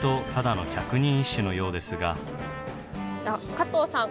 加藤さん